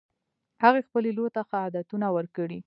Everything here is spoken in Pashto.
هغې خپلې لور ته ښه عادتونه ورکړي